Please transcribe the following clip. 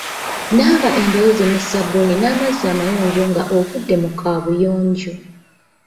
Naaba engalo zo ne ssabbuuni n'amazzi amayonjo nga ovudde mu kaabuyonjo.